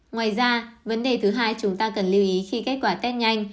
ngoài ra vấn đề thứ hai chúng ta cần lưu ý khi kết quả test nhanh